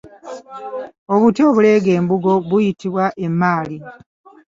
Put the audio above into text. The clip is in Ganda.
Obuti obuleega embugo buyitibwa Emmaali.